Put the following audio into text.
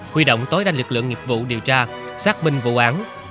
huy động tối đanh lực lượng nghiệp vụ điều tra xác minh vụ án